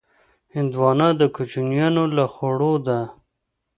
هندوانه د کوچیانو له خوړو ده.